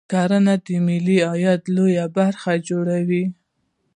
کرنه د ملي عاید لویه برخه جوړوي